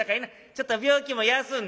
ちょっと病気も休んで」。